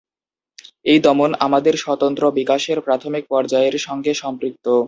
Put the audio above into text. এই দমন "আমাদের স্বতন্ত্র বিকাশের প্রাথমিক পর্যায়ের সঙ্গে সম্পৃক্ত"।